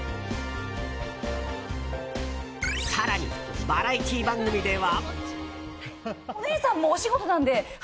更に、バラエティー番組では。